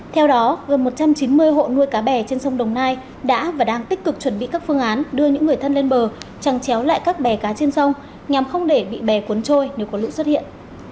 theo đó gần một trăm chín mươi hộ nuôi cá bè trên sông đồng nai đã và đang tích cực chuẩn bị các phương án đưa những người thân lên bờ trăng chéo lại các bè cá trên sông nhằm không để bị bè cuốn trôi nếu có lũ xuất hiện